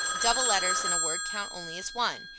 Double letters in a word count only as one.